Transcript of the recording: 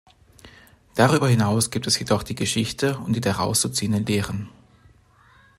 Darüber hinaus gibt es jedoch die Geschichte und die daraus zu ziehenden Lehren.